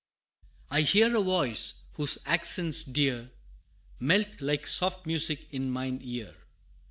IV. I hear a voice, whose accents dear Melt, like soft music, in mine ear.